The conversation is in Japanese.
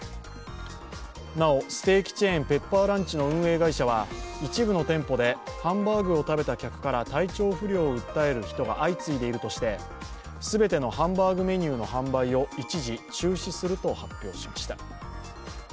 なお、ステーキチェーン、ペッパーランチの運営会社は一部の店舗でハンバーグを食べた客から体調不良を訴える人が相次いでいるとして全てのハンバーグメニューの販売を一時中止すると発表しました。